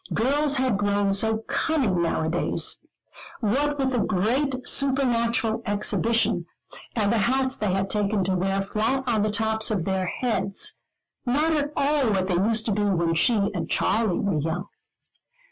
Girls had grown so cunning now a days, what with the great supernatural exhibition, and the hats they had taken to wear flat on the tops of their heads, not at all what they used to be when she and Charley were young.